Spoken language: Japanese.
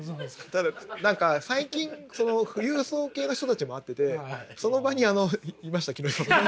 ただ何か最近その富裕層系の人たちも会っててその場にあのいました木下さんも。